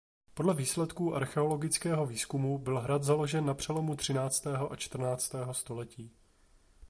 Podle výsledků archeologického výzkumu byl hrad založen na přelomu třináctého a čtrnáctého století.